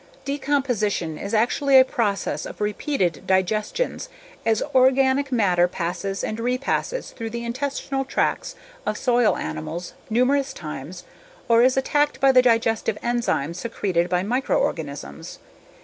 Decomposition is actually a process of repeated digestions as organic matter passes and repasses through the intestinal tracts of soil animals numerous times or is attacked by the digestive enzymes secreted by microorganisms.